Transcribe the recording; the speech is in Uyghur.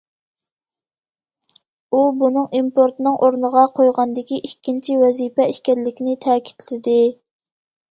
ئۇ بۇنىڭ ئىمپورتنىڭ ئورنىغا قويغاندىكى ئىككىنچى ۋەزىپە ئىكەنلىكىنى تەكىتلىدى.